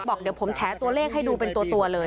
บอกเดี๋ยวผมแฉตัวเลขให้ดูเป็นตัวเลย